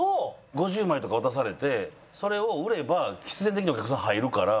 ５０枚とか渡されてそれを売れば必然的にお客さん入るから。